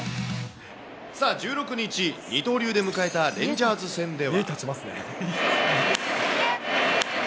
さあ、１６日、二刀流で迎えたレンジャーズ戦では。